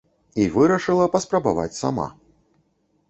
І вырашыла паспрабаваць сама.